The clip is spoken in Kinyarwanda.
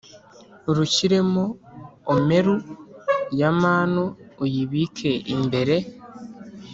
urushyiremo omeru ya manu uyibike imbere